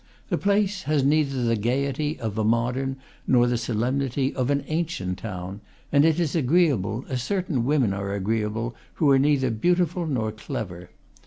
The place has neither the gayety of a modern nor the solemnity of an ancient town, and it is agreeable as certain women are agree able who are neither beautiful nor clever.